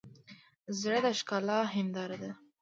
زړه د ښکلا هنداره ده.